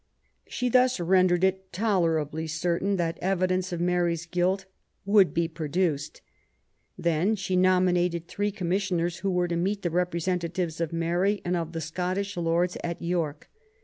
She thus rendered it tolerably certain that evidence of Mary's guilt would be produced. Then she nominated three Commissioners who were to meet the representatives of Mary and of the Scottish Lords at York.